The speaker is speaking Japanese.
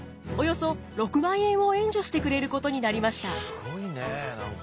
すごいね何か。